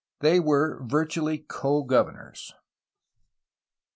They were virtually co governors.